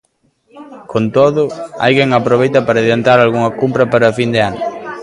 Con todo, hai quen aproveita para adiantar algunha compra para fin de ano.